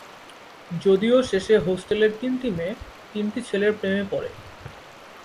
যদিও শেষে হোস্টেলের তিনটি মেয়ে, তিনটি ছেলের প্রেমে পড়ে।